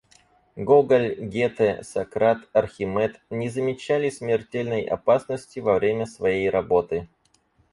Гоголь, Гете, Сократ, Архимед не замечали смертельной опасности во время своей работы.